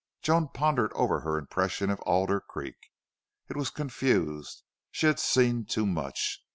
Joan pondered over her impression of Alder Creek. It was confused; she had seen too much.